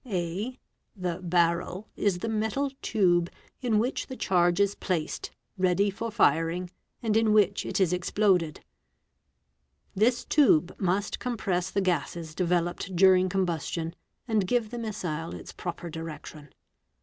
(a) The barrel is the metal tube in which the charge is place ready*for firing and in which it is exploded. This tube must compres the gases developed during combustion, and give the missile its prope direction.